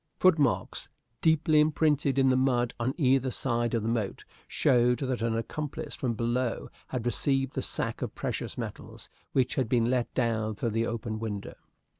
Footmarks, deeply imprinted in the mud on either side of the moat, showed that an accomplice from below had received the sack of precious metals which had been let down through the open window.